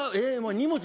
２文字